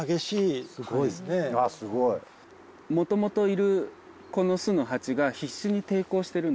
元々いるこの巣のハチが必死に抵抗してるんです。